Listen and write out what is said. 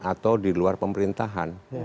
atau di luar pemerintahan